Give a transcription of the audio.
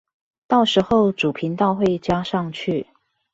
到時候主頻道會加上去